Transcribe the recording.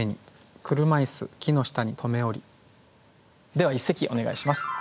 では一席お願いします。